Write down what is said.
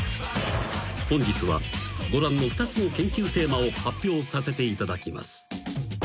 ［本日はご覧の２つの研究テーマを発表させていただきます］